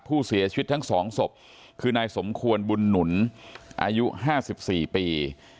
ผู้เสียชีวิตทั้ง๒ศพคือนายสมควรบุญหนุนอายุ๕๔ปี